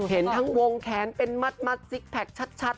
เห็นทั้งวงแขนเป็นมัดซิกแพคชัด